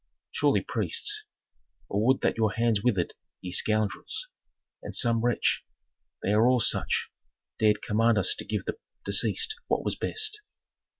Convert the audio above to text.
"Surely priests. Oh, would that your hands withered, ye scoundrels! And some wretch they are all such dared command us to give the deceased what was best."